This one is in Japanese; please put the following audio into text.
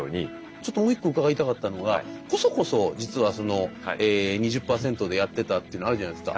ちょっともう一個伺いたかったのがコソコソ実はその２０％でやってたっていうのあるじゃないですか。